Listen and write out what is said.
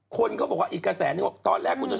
คนก็บอกว่าอีกกับแสนตอนแรกคุณเช้า